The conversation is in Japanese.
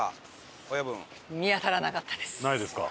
ないですか。